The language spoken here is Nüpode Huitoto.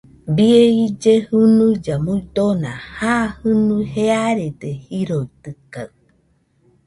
Bie ille junuilla muidona, ja jɨnui jearede jiroitɨkaɨ